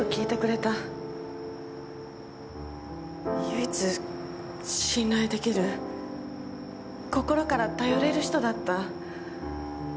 唯一信頼できる心から頼れる人だった。